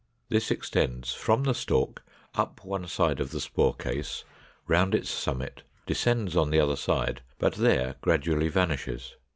This extends from the stalk up one side of the spore case, round its summit, descends on the other side, but there gradually vanishes.